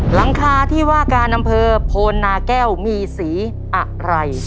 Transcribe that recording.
หลังคาที่ว่าการอำเภอโพนนาแก้วมีสีอะไร